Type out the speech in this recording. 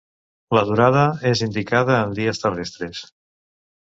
La durada és indicada en dies terrestres.